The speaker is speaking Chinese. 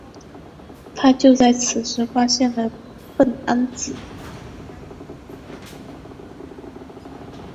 他就在此时发现了苯胺紫。